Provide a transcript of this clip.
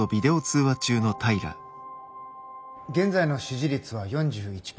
現在の支持率は４１％。